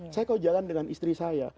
saya kok jalan dengan istri saya